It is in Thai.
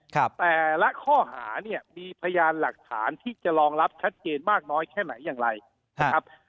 แต่ละข้อหาเนี่ยมีพยานหลักฐานที่จะรองรับชัดเจนมากน้อยแค่ไหนอย่างไรนะครับ